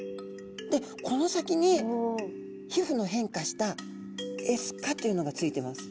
でこの先に皮膚の変化したエスカというのが付いてます。